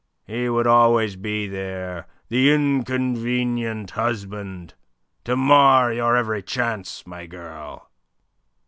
He would always be there the inconvenient husband to mar your every chance, my girl."